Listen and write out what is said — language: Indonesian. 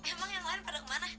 emang yang lain pada kemana